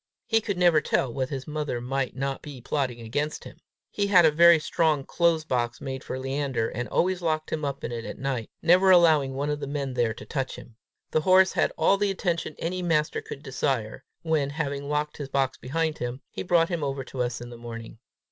He could never tell what his mother might not be plotting against him. He had a very strong close box made for Leander, and always locked him up in it at night, never allowing one of the men there to touch him. The horse had all the attention any master could desire, when, having locked his box behind him, he brought him over to us in the morning.